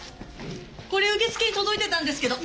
これ受付に届いてたんですけど。